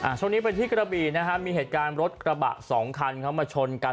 ช่วงนี้ไปที่กระบีนะฮะมีเหตุการณ์รถกระบะสองคันเขามาชนกัน